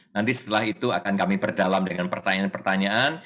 nanti setelah itu akan kami perdalam dengan pertanyaan pertanyaan